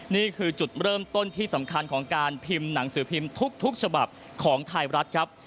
นี่คือจุดเริ่มต้นที่สำคัญของการพิมพ์หนังสือพิมพ์ทุกฉบับของไทยรัฐครับ